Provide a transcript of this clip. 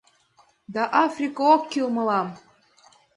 Да Африка ок кӱл мылам!